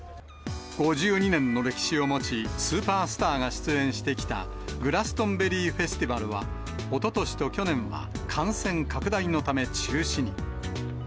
５２年の歴史を持ち、スーパースターが出演してきたグラストンベリー・フェスティバルは、おととしと去年は、感染拡大のため、中止に。